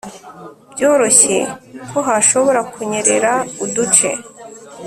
byoroshye kohashobora kunyerera uduce